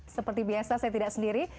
seperti biasa saya tidak sendiri